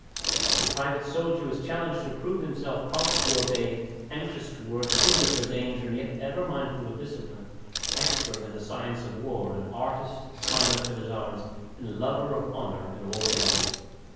The private soldier was challenged to prove himself prompt to obey, anxious to work, eager for danger, and yet ever mindful of discipline, an expert in the science of war, an artist in the conduct of his arms, and a lover of honour in all things.